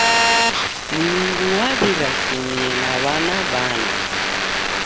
Mlungu waw'irasimie na w'ana bana.